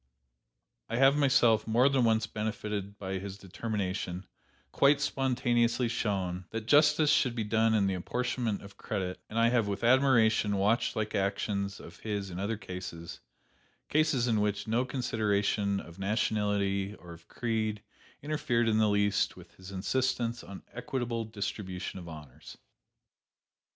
I have myself more than once benefited by his determination, quite spontaneously shown, that justice should be done in the apportionment of credit; and I have with admiration watched like actions of his in other cases: cases in which no consideration of nationality or of creed interfered in the least with his insistence on equitable distribution of honors.